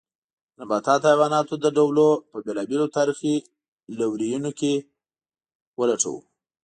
د نباتاتو او حیواناتو د ډولونو په بېلابېلو تاریخي لورینو کې ولټوو.